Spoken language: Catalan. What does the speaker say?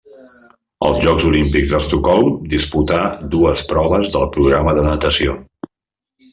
Als Jocs Olímpics d'Estocolm disputà dues proves del programa de natació.